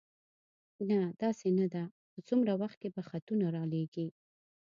نه، داسې نه ده، په څومره وخت کې به خطونه را لېږې؟